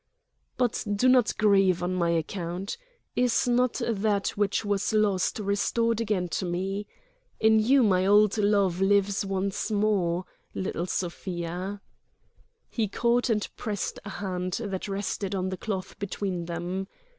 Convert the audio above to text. "But do not grieve on my account. Is not that which was lost restored again to me? In you my old love lives once more ... little Sofia!" He caught and pressed a hand that rested on the cloth between them.